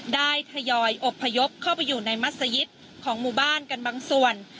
ทยอยอบพยพเข้าไปอยู่ในมัศยิตของหมู่บ้านกันบางส่วน